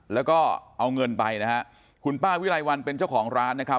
แล้วก็เอาเงินไปนะฮะคุณป้าวิไลวันเป็นเจ้าของร้านนะครับ